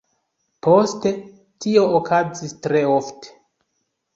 Poste, tio okazis tre ofte.